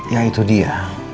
ya itu dia